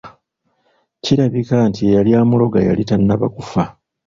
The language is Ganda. Kirabika nti eyali amuloga yali tannaba kufa.